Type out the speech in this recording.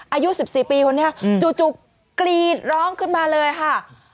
อายุ๑๔ปีคนนี้จู่กรีดร้องขึ้นมาเลยค่ะ